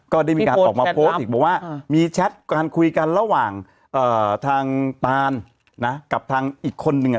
ก็ได้มีการออกมาโพสต์อีกบอกว่ามีแชทการคุยกันระหว่างทางตานนะกับทางอีกคนนึงอ่ะ